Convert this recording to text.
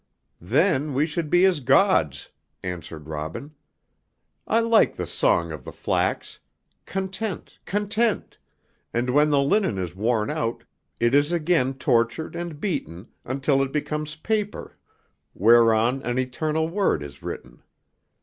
"Then we should be as gods," answered Robin. "I like the song of the flax, 'content, content;' and when the linen is worn out, it is again tortured and beaten until it becomes paper whereon an eternal word is written.